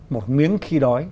một miếng khi đói